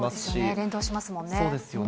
連動しますもんね。